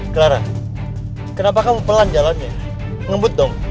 clara kenapa kamu pelan jalannya ngebut dong